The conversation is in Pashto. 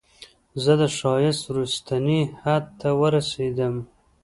زه د ښایست وروستني حد ته ورسیدم